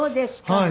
はい。